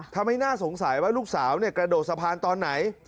ทำให้น่าสงสัยว่าลูกสาวเนี่ยกระโดดสะพานตอนไหน